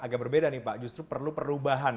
agak berbeda nih pak justru perlu perubahan